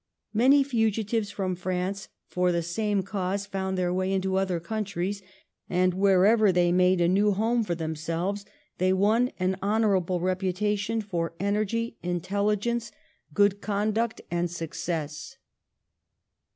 Many fugitives from France for the same cause found their way into other countries, and wherever they made a new home for themselves they won an honourable reputation for energy, intelligence, good conduct, 1685 1714 THE REFUGEES IN ENGLAND. 153 and success.